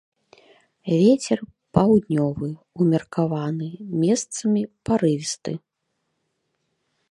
Вецер паўднёвы ўмеркаваны, месцамі парывісты.